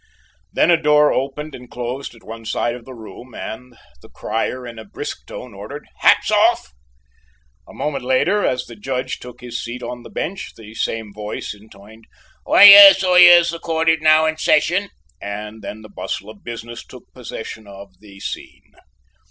Then a door opened and closed at one side of the room, and the crier in a brisk tone ordered "Hats off!" A moment later, as the Judge took his seat on the bench, the same voice intoned: "Oyez! Oyez! The court is now in session!" and then the bustle of business took possession of the scene.